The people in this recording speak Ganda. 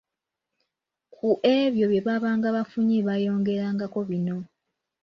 Ku ebyo bye baabanga bafunye baayongerangako bino.